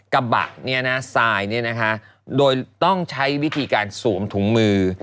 กระบะเนี่ยนะทรายเนี่ยนะคะโดยต้องใช้วิธีการสวมถุงมือ